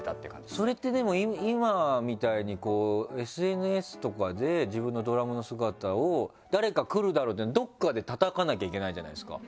それってでも今みたいにこうＳＮＳとかで自分のドラムの姿を誰か来るだろうどこかで叩かなきゃいけないじゃないですか。